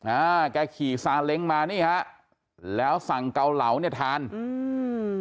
อ่าแกขี่ซาเล้งมานี่ฮะแล้วสั่งเกาเหลาเนี่ยทานอืม